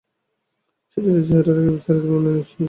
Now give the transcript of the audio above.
চিঠিটার চেহারার একটা বিস্তারিত বিবরণ নিশ্চয়ই তোমার কাছে আছে।